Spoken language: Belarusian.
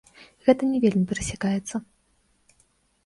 Гэта не вельмі перасякаецца.